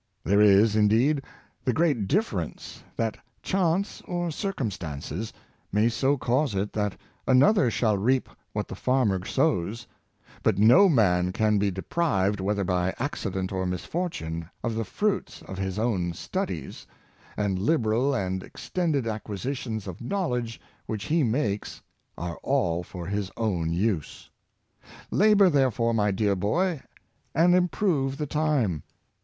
There is, indeed, the great difference that chance or circumstances may so cause it that an other shall reap what the farmer sows ; but no man can be deprived, whether by accident or misfortune, of the fruits of his own studies, and liberal and extended ac quisitions of knowledge which he makes are all for his own use. Labor, therefore, my dear boy, and improve the time.